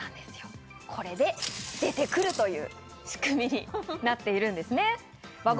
これを手を離すと出てくるという仕組みになっているんです。